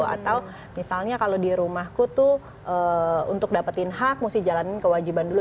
atau misalnya kalau di rumahku tuh untuk dapetin hak mesti jalanin kewajiban dulu